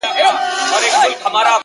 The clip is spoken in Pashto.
o ولاړ انسان به وي ولاړ تر اخریته پوري ـ